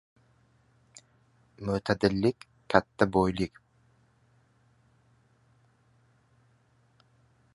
• Mo‘tadillik ― katta boylik.